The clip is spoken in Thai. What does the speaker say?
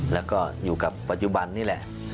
แล้วก็อยู่กับปัจจุบันนี่แหละ